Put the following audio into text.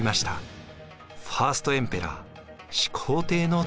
ファースト・エンペラー始皇帝の誕生です。